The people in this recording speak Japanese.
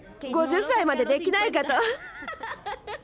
５０歳までできないかと。